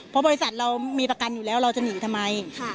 เพราะบริษัทเรามีประกันอยู่แล้วเราจะหนีทำไม